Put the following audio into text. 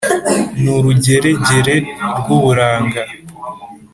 ni urugeregere rw’uburanga,